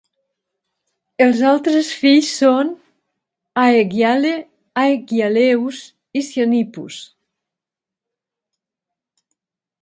Els altres fills són Aegiale, Aegialeus i Cyanippus.